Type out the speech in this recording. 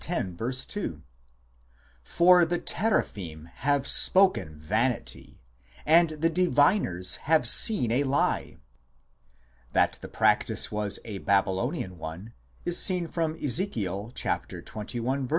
2 :" For the Teraphim have spoken vanity, and the diviners have seen a lie." That the practice was a Babylonian one is seen from Ezek. xxi. 21 (26 in Hebr.)